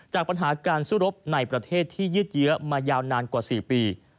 จากปัญหาการสู้รบในประเทศที่ยืดเยื้อมายาวนานกว่า๔ปี